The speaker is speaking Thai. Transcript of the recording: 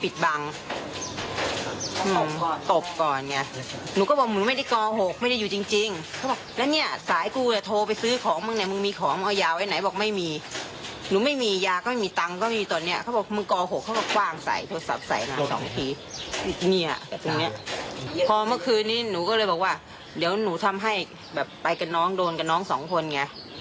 โทรศัพท์ใส่หน้าสองทีเนี่ยพอเมื่อคืนนี้หนูก็เลยบอกว่าเดี๋ยวหนูทำให้แบบไปกับน้องโดนกับน้องสองคนไง